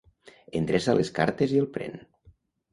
Endreça les cartes i el pren.